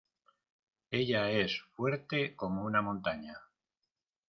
Ella es fuerte como una montaña.